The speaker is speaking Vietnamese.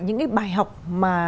những cái bài học mà